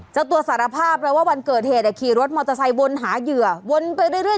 จะตัวสารภาพเลยว่าวันเกิดเหตุส่งมาทีดำรอบมอเตอร์ไซค์วนหาเยื่อวนไปเรื่อย